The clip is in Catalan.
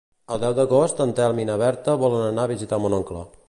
El deu d'agost en Telm i na Berta volen anar a visitar mon oncle.